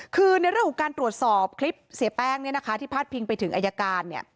คือในเรื่องของการตรวจสอบคลิปเสียแป้งที่พาดพิงไปถึงอายการ